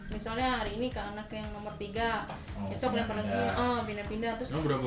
misalnya hari ini ke anak yang nomor tiga besok ke anak yang nomor delapan